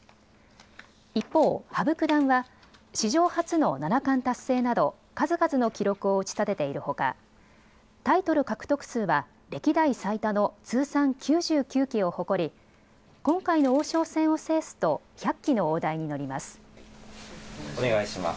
一方、羽生九段は史上初の七冠達成など数々の記録を打ち立てているほかタイトル獲得数は歴代最多の通算９９期を誇り今回の王将戦を制すと１００期の大台に乗ります。